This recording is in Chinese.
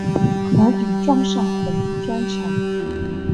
狠狠撞上红砖墙